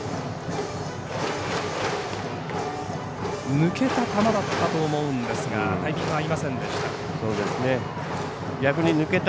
抜けた球だったと思うんですがタイミングが合いませんでした。